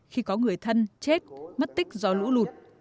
khi có người thân chết mất tích do lũ lụt